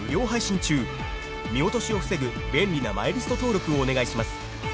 ［見落としを防ぐ便利なマイリスト登録をお願いします］